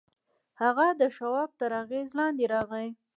هغه د شواب تر اغېز لاندې راغی